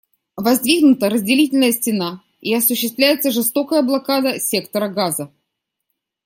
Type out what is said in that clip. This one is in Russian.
Воздвигнута разделительная стена, и осуществляется жестокая блокада сектора Газа.